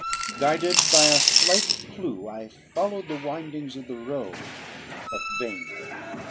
Guided by a slight clue, I followed the windings of the Rhone, but vainly.